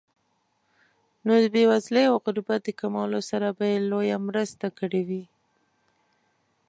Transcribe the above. نو د بېوزلۍ او غربت د کمولو سره به یې لویه مرسته کړې وي.